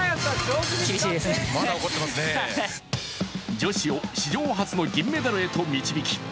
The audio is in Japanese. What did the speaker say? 女子を史上初の銀メダルへと導き